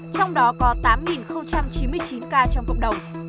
trong đó có tám chín mươi chín ca trong cộng đồng